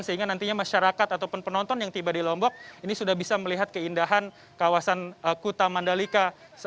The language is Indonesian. sehingga nantinya masyarakat ataupun penonton yang tiba di lombok ini sudah bisa melihat keindahan kawasan kuta mandalika